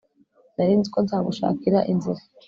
nari nzi ko nzagushakira inzira